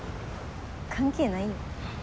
関係ないよ。